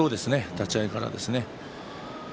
立ち合いからです。